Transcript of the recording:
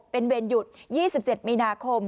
เป็นเวรหยุด๒๗มีนาคม